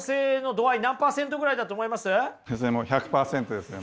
１００％ですね。